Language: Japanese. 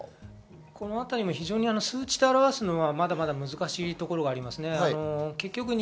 そのあたりも数値で表すのはまだまだ難しいところがあります。